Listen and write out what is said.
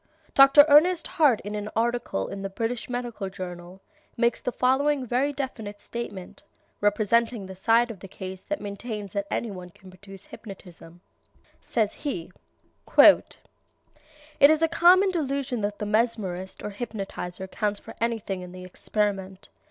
Dr. Ernest Hart in an article in the British Medical Journal makes the following very definite statement, representing the side of the case that maintains that any one can produce hypnotism. Says he: "It is a common delusion that the mesmerist or hypnotizer counts for anything in the experiment.